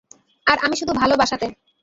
আর আমি শুধু ভালোবাসাতে।